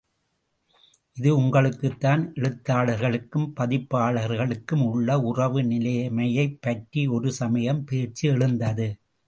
இது உங்களுக்குத்தான்... எழுத்தாளர்களுக்கும், பதிப்பாளர்களுக்கும் உள்ள, உறவு நிலைமையைப் பற்றி ஒரு சமயம் பேச்சு எழுந்தது.